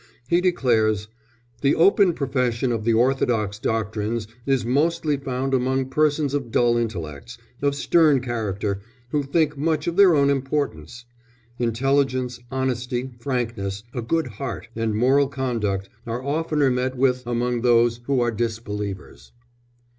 He declares: "The open profession of the Orthodox doctrines is mostly found among persons of dull intellects, of stern character, who think much of their own importance. Intelligence, honesty, frankness, a good heart, and moral conduct are oftener met with among those who are disbelievers."